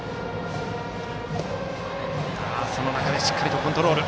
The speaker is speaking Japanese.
その中でもしっかりコントロール。